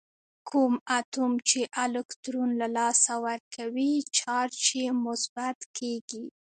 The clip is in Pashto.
کوم اتوم چې الکترون له لاسه ورکوي چارج یې مثبت کیږي.